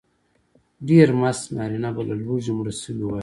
ډېر مست نارینه به له لوږې مړه شوي وای.